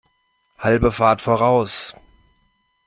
Halbe Fahrt voraus!